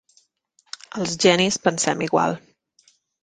Els genis pensem igual.